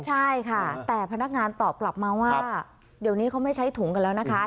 ใช่ค่ะแต่พนักงานตอบกลับมาว่าเดี๋ยวนี้เขาไม่ใช้ถุงกันแล้วนะคะ